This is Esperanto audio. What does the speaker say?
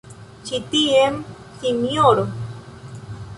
Ĉi tien, sinjoro!